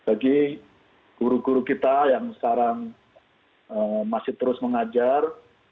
jadi guru guru kita yang sekarang masih terus mengajar